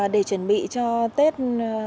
để chuẩn bị cho tết mùa